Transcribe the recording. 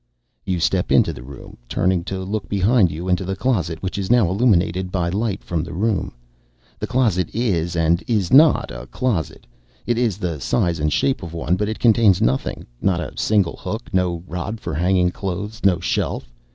You step into the room, turning to look behind you into the closet, which is now illuminated by light from the room. The closet is and is not a closet; it is the size and shape of one, but it contains nothing, not a single hook, no rod for hanging clothes, no shelf.